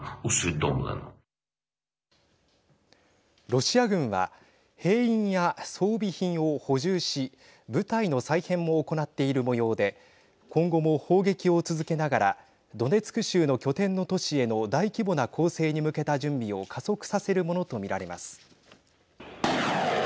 ロシア軍は兵員や装備品を補充し部隊の再編も行っているもようで今後も砲撃を続けながらドネツク州の拠点の都市への大規模な攻勢に向けた準備を加速させるものと見られます。